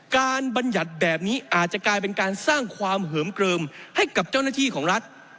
บรรยัติแบบนี้อาจจะกลายเป็นการสร้างความเหิมเกลิมให้กับเจ้าหน้าที่ของรัฐ